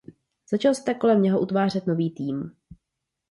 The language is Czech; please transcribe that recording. Začal se tak kolem něho utvářet nový tým.